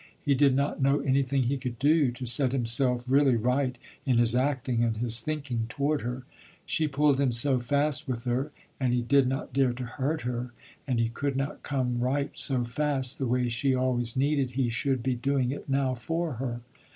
He did not know anything he could do, to set himself really right in his acting and his thinking toward her. She pulled him so fast with her, and he did not dare to hurt her, and he could not come right, so fast, the way she always needed he should be doing it now, for her.